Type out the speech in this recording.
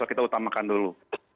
kita utamakan dulu